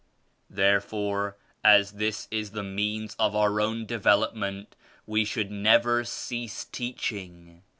Therefore as this is the means o^ our own development we should never cease; teaching.